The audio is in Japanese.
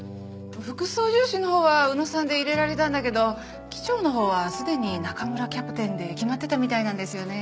副操縦士のほうは宇野さんで入れられたんだけど機長のほうはすでに中村キャプテンで決まってたみたいなんですよね。